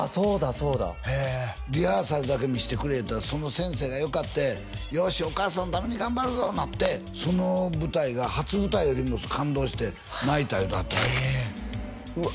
そうだへえリハーサルだけ見してくれ言うたらその先生がよかってよしお母さんのために頑張るぞなってその舞台が初舞台よりも感動して泣いた言うてはったへえうわ